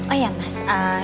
oh ya mas